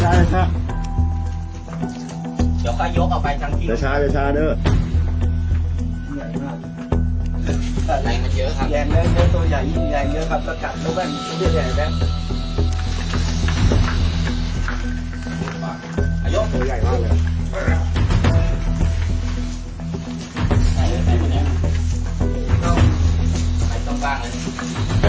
ให้ความฟังเลยหยุดรอยหยุดรอยหยุดรอย